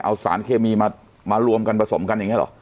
เอาสารเคมีมารวมกันผสมกันอย่างนี้เหรอ